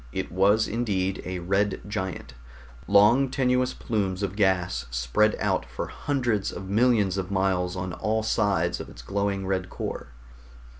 It was indeed a red giant; long tenuous plumes of gas spread out for hundreds of millions of miles on all sides of its glowing red core.